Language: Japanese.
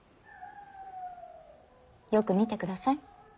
よく見てください。